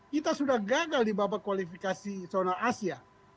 kita sudah gagal di babak kualifikasi zona asia